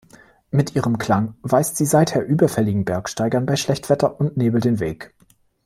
Mit ihrem Klang weist sie seither überfälligen Bergsteigern bei Schlechtwetter und Nebel den Weg.